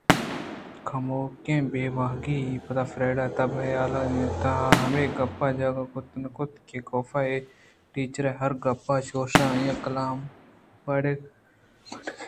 کموکیں بے گوٛانکی ءَ پد فریڈا ءِ تب ءُحیال ءِ تہاہمے گپ ءَ جاگہ کُت نہ کُت کہ کاف اے ٹیچر ءِ ہر گپ ءَ چوشں آئی ءِ گلام ءِ وڑا منّگ ءَ اِنت